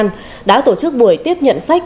nhân dân đã tổ chức buổi tiếp nhận sách